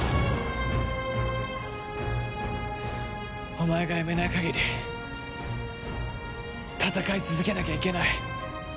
お前がやめない限り戦い続けなきゃいけない。